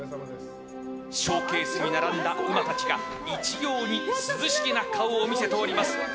ショーケースに並んだ馬たちが一様に涼しげな顔を見せております。